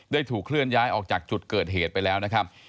ถูกเคลื่อนย้ายออกจากจุดเกิดเหตุไปแล้วนะครับ